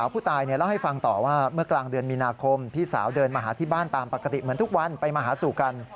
ไปมาหาสู่กัน